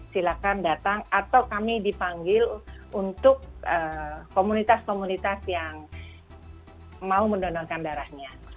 silakan datang atau kami dipanggil untuk komunitas komunitas yang mau mendonorkan darahnya